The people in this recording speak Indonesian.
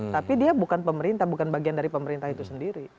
tapi dia bukan pemerintah bukan bagian dari pemerintah itu sendiri